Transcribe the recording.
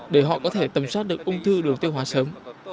để họ có thể tầm soát được ung thư đường tiêu hóa sớm